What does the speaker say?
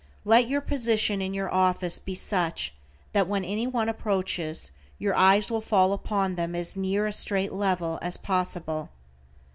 Let your position in your office be such that when anyone approaches your eyes will fall upon them as near a straight level as possible.